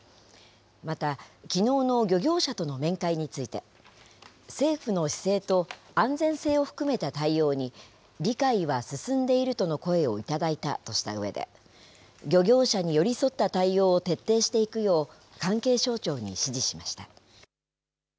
また、きのうの漁業者との面会について、政府の姿勢と安全性を含めた対応に、理解は進んでいるとの声を頂いたとしたうえで、漁業者に寄り添った対応を徹底していくよう、関係省庁に指示しました。